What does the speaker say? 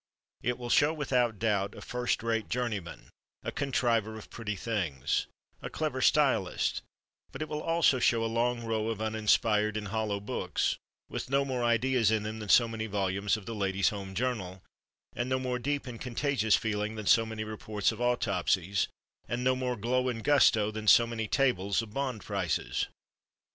It will show, without doubt, a first rate journeyman, a contriver of pretty things, a clever stylist—but it will also show a long row of uninspired and hollow books, with no more ideas in them than so many volumes of the Ladies' Home Journal, and no more deep and contagious feeling than so many reports of autopsies, and no more glow and gusto than so many tables of bond prices.